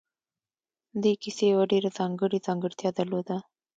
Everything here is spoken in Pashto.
دې کیسې یوه ډېره ځانګړې ځانګړتیا درلوده